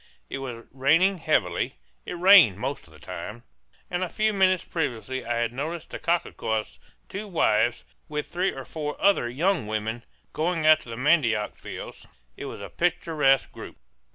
It was raining heavily it rained most of the time and a few minutes previously I had noticed the cacique's two wives, with three or four other young women, going out to the mandioc fields. It was a picturesque group.